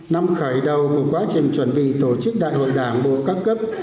năm khởi đầu của quá trình chuẩn bị tổ chức đại hội đảng bộ các cấp